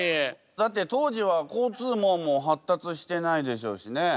だって当時は交通網も発達してないでしょうしね。